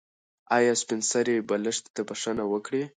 ایا سپین سرې به لښتې ته بښنه وکړي؟